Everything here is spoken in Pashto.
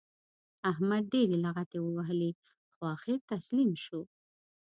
احمد ډېرې لغتې ووهلې؛ خو اخېر تسلیم شو.